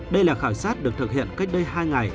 đây là khảo sát được thực hiện cách đây hai ngày